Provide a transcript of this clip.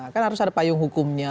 kan harus ada payung hukumnya